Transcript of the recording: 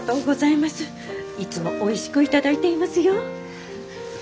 いつもおいしく頂いていますよ。